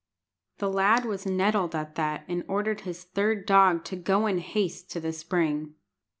The lad was nettled at that, and ordered his third dog to go in haste to the spring.